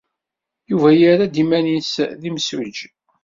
Yuba yerra-d iman-nnes d imsujji.